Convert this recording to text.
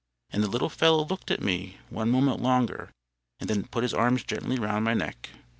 And the little fellow looked at me one moment longer, and then put his arms gently round my neck.